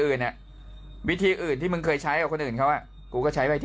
อื่นอ่ะวิธีอื่นที่มึงเคยใช้กับคนอื่นเขาอ่ะกูก็ใช้วิธี